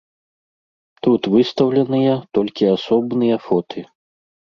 Тут выстаўленыя толькі асобныя фоты.